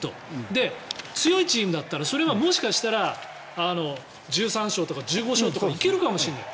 で、強いチームだったらそれがもしかしたら１３勝とか１５勝とかいけるかもしれない。